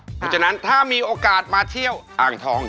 เพราะฉะนั้นถ้ามีโอกาสมาเที่ยวอ่างทอง